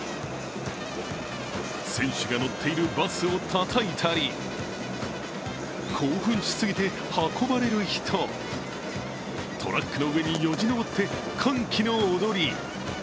選手が乗っているバスをたたいたり興奮しすぎて運ばれる人、トラックの上によじ登って歓喜の踊り。